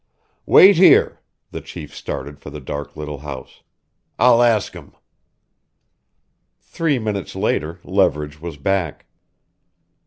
"Wait here." The chief started for the dark little house. "I'll ask 'em." Three minutes later Leverage was back.